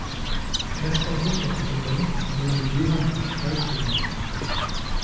Erster Superintendent wurde Johann Streitberger.